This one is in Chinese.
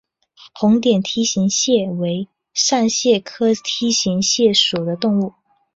红点梯形蟹为扇蟹科梯形蟹属的动物。